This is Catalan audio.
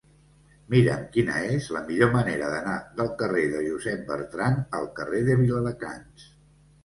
Mira'm quina és la millor manera d'anar del carrer de Josep Bertrand al carrer de Viladecans.